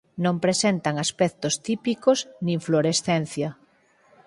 Non presentan aspectos típicos nin fluorescencia.